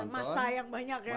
masa yang banyak ya